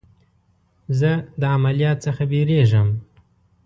زه د عملیات څخه بیریږم.